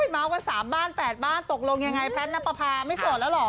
เมาส์กัน๓บ้าน๘บ้านตกลงยังไงแพทย์นับประพาไม่โสดแล้วเหรอ